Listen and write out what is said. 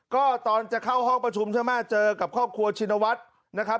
ก็ตอนจะเข้าห้องประชุมใช่ไหมเจอกับครอบครัวชินวัฒน์นะครับ